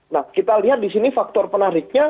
nah kita lihat di sini faktor penariknya